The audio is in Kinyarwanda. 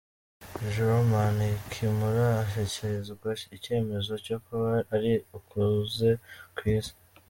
Jiroeman Kimura ashyikirizwa icyemezo cyo kuba ari ukuze ku Isi.